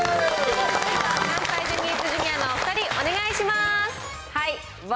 関西ジャニーズＪｒ．のお２人、お願いします。